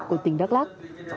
của tỉnh đắk lắc